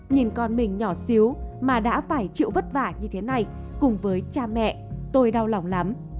nhìn con mình nhỏ xíu mà đã phải chịu vất vả như thế này cùng với cha mẹ tôi đau lòng lắm